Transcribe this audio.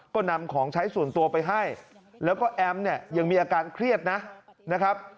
ก็นำของใช้ส่วนตัวไปให้แล้วก็แอมเนี่ยยังมีอาการเครียดนะครับ